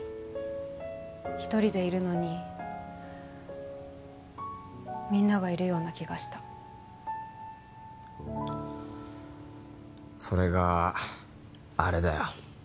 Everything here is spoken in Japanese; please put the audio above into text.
１人でいるのにみんながいるような気がしたそれがあれだよ